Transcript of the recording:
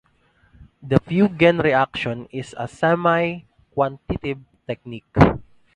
The Feulgen reaction is a semi-quantitative technique.